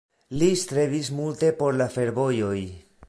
Li strebis multe por la fervojoj.